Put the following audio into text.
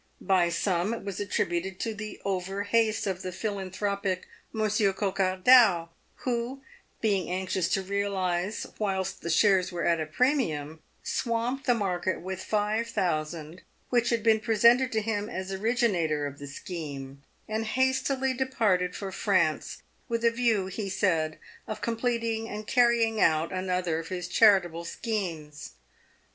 By some it was attributed to the over haste of the philan thropic Monsieur Coquardau, who being anxious to realise whilst the shares were at a premium, swamped the market with five thousand which had been presented to him as originator of the scheme, and hastily departed for France, with a view, he said, of completing and carrying out another of his charitable schemes.